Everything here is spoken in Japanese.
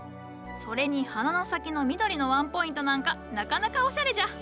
それに花の先の緑のワンポイントなんかなかなかおしゃれじゃ。